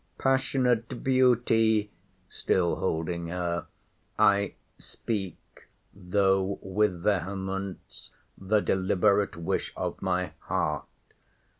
Passionate beauty!—still holding her— I speak, though with vehemence, the deliberate wish of my heart.